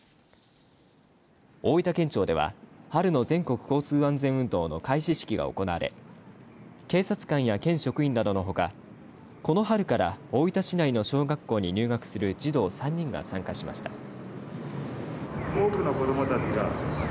大分県庁では春の全国交通安全運動の開始式が行われ警察官や県職員などのほかこの春から大分市内の小学校に入学する児童３人が参加しました。